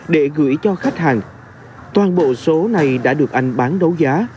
để gửi cho khách hàng toàn bộ số này đã được anh bán đấu giá